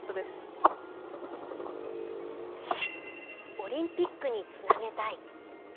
オリンピックにつなげたい。